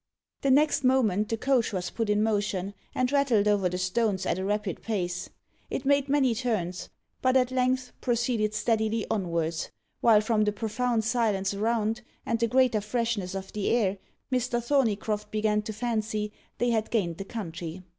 The next moment, the coach was put in motion, and rattled over the stones at a rapid pace. It made many turns; but at length proceeded steadily onwards, while from the profound silence around, and the greater freshness of the air, Mr. Thorneycroft began to fancy they had gained the country.